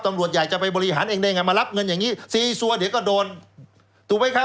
ตำรวจใหญ่จะไปบริหารเองได้ไงมารับเงินอย่างนี้ซีซัวเดี๋ยวก็โดนถูกไหมครับ